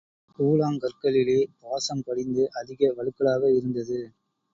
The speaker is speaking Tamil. கூழாங்கற்களிலே பாசம் படிந்து அதிக வழுக்கலாக இருந்தது.